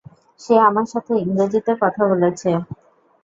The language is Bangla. সে আমার সাথে ইংরেজিতে কথা বলেছে।